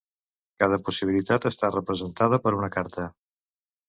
Cada possibilitat està representada per una carta.